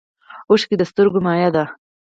اوښکې د سترګو مایع ده